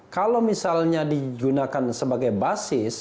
kalau misalnya digunakan sebagai basis